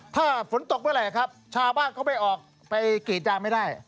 ถ้าฝนตกเมื่อไหร่ครับชาวบ้านเขาไม่ออกไปกรีดยางไม่ได้